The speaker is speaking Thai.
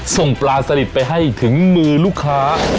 ส่งปลาสลิดไปให้ถึงมือลูกค้า